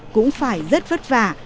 cũng phải rất vất vả